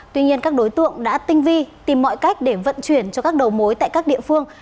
tuy nhiên các đối tượng đã tinh vi tìm mọi cách để vận chuyển cho các đầu mối tại các địa phương